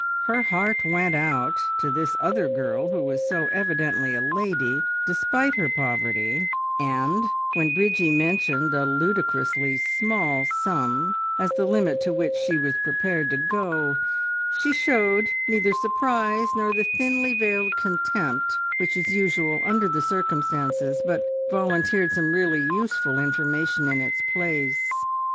Her heart went out to this other girl who was so evidently a lady despite her poverty, and when Bridgie mentioned a ludicrously small sum as the limit to which she was prepared to go, she showed neither surprise nor the thinly veiled contempt which is usual under the circumstances, but volunteered some really useful information in its place.